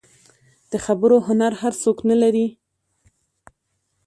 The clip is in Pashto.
د خبرو هنر هر څوک نه لري.